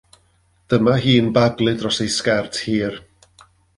Dyma hi'n baglu dros ei sgert hir.